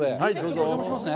お邪魔しますね。